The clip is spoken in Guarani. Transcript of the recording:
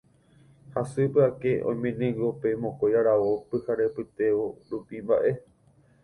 hasýpe ake oiménengo pe mokõi aravo pyharepytévo rupi mba'e.